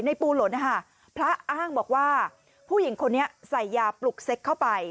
ปูหล่นนะคะพระอ้างบอกว่าผู้หญิงคนนี้ใส่ยาปลุกเซ็กเข้าไป